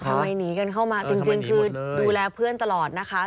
หนีกันเข้ามาจริงคือดูแลเพื่อนตลอดนะคะ